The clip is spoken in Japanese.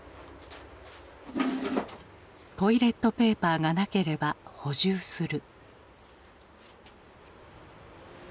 トイレットペーパーがなければ補充する。